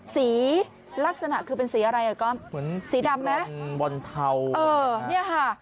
สีลักษณะคือเป็นสีอะไรอ่ะก็เหมือนสีดำไหมบอลเทาเออเนี่ยค่ะ